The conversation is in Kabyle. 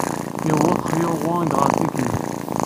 Yewweḍ Xiao Wang ɣer Pikin.